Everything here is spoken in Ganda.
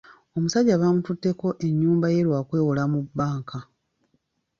Omusajja baamututteko ennyumba ye lwa kwewola mu bbanka.